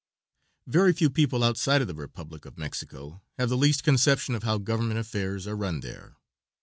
Very few people outside of the Republic of Mexico have the least conception of how government affairs are run there.